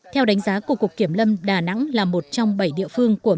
theo đánh giá của cục kiểm năm đà nẵng là một trong bảy địa phương của mỹ